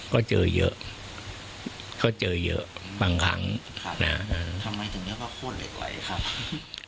ก็เจอเยอะเขาเจอเยอะบางครั้งทำไมจริงก็โคตรเหล็กไหล่ครับ